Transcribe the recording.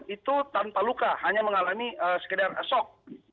itu tanpa luka hanya mengalami sekedar esok